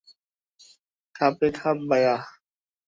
খাপে-খাপ, ভায়া!